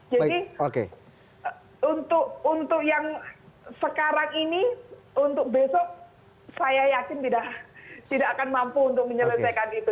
untuk yang sekarang ini untuk besok saya yakin tidak akan mampu untuk menyelesaikan itu